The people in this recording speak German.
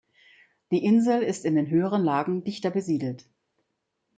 Die Insel ist in den höheren Lagen dichter besiedelt.